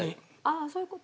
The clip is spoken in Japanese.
ああそういう事。